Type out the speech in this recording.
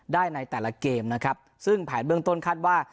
ได้ในแต่ละเกมนะครับซึ่งแผนเบื้องต้นคาดว่า